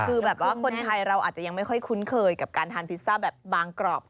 คือแบบว่าคนไทยเราอาจจะยังไม่ค่อยคุ้นเคยกับการทานพิซซ่าแบบบางกรอบ